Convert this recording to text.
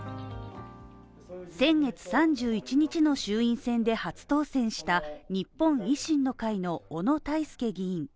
先月３１日の衆院選で初当選した日本維新の会の小野泰輔議員。